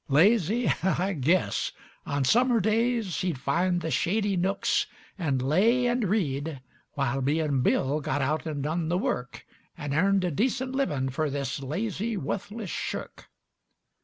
Lazy? I guess! On summer days He'd find the shady nooks And lay and read, while me and Bill Got out and dun the work, And airned a decent livin' fer This lazy, wuthless shirk.